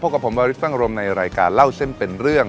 กับผมวาริสฟังรมในรายการเล่าเส้นเป็นเรื่อง